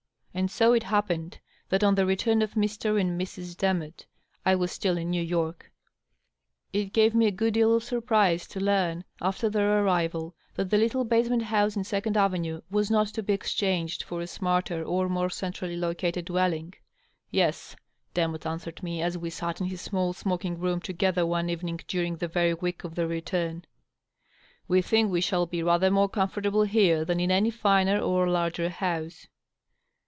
And so it happened that on the return of Mr. and Mrs.. Demotte I was still in New York. It gave me a good deal of surprise to learn, after their arrival, thafe the little basement house in Second Avenue was not to be exchanged for a smarter or more centrally located dwelling. " Yes," Demotte answered me, as we sat in his small smoking room together one even ing during the very week of their return; "we think we shall be rather more comfortable here than in any finer or larger house."